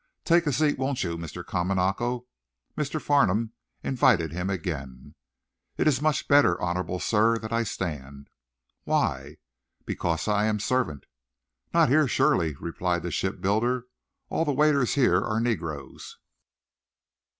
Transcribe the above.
"Take a seat, won't you, Mr. Kamanako?" Mr. Farnum invited him again. "It is much better, honorable sir, that I stand." "Why?" "Because I am servant." "Not here, surely," replied the shipbuilder. "All the waiters here are negroes."